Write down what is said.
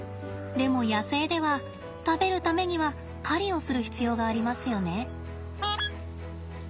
でも野生では食べるためには狩りをする必要がありますよね。